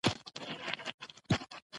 هغه سوداګر په اصل کې هماغه جادوګر و.